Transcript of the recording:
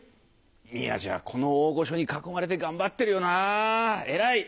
宮治はこの大御所に囲まれて頑張ってるよな偉い！